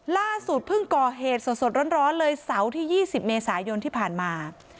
ล่าสุดเพิ่งก่อเหตุสดร้อนเลยเสาร์ที่๒๐เมษายนที่ผ่านมา